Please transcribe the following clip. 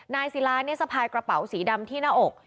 นายซีลาเนี่ยสะพายกระเป๋าสีดำที่หน้าอก